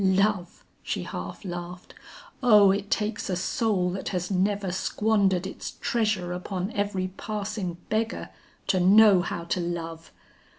Love!' she half laughed; 'O, it takes a soul that has never squandered its treasure upon every passing beggar, to know how to love!